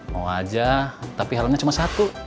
mau aja tapi halnya cuman satu